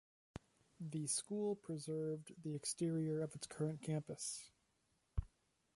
The school preserved the exterior of its current campus.